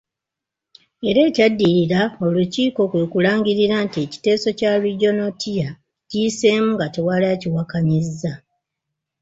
Era ekyaddirira, olukiiko kwekulangirira nti ekiteeso kya Regional Tier kiyiseemu nga tewali akiwakannyiza.